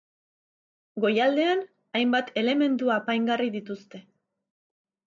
Goialdean hainbat elementu apaingarri dituzte.